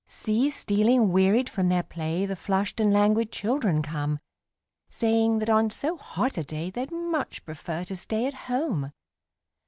See stealing, wearied from their play, The flushed and languid children come, Saying that on so hot a day They'd much prefer to stay at home.